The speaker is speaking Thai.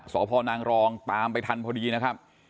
สพนางรองตามไปทันพอดีนะครับ